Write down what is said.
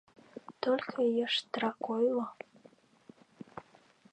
Только йыштрак ойло.